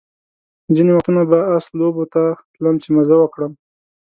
ځینې وختونه به آس لوبو ته تلم چې مزه وکړم.